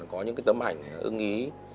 có những cái tấm ảnh ưng ý